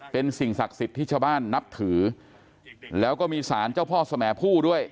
เป็นสิ่งศักดิ์สิทธิ์ที่ชาวบ้านนับถือแล้วก็มีสารเจ้าพ่อสมผู้ด้วย